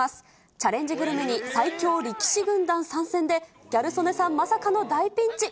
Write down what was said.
チャレンジグルメに最強力士軍団参戦で、ギャル曽根さん、まさかの大ピンチ。